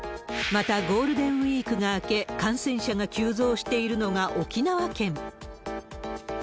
また、ゴールデンウィークが明け、感染者が急増しているのが沖縄県。